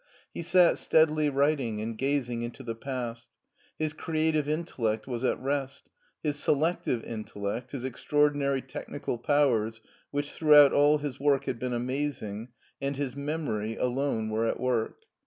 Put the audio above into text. He sat steadily writing and gazing into the past. His creative intellect was at rest ; his selective intellect, his extraordinary technical powers which throughout all his work had been amazing, and his memory, alone were at work.